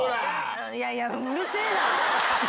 いやいやうるせぇな！